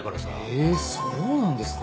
へえそうなんですか。